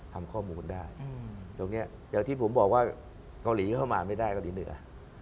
ทำข้อมูลได้ตรงนี้อย่างที่ผมบอกว่าเกาหลีเข้ามาไม่ได้เกาหลีเหนือ